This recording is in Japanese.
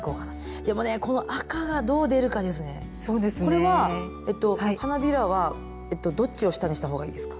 これは花びらはどっちを下にした方がいいですか？